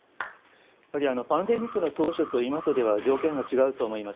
やっぱりパンデミックの当初と今とでは条件が違うと思います。